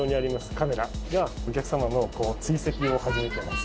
カメラが、お客様の追跡を始めています。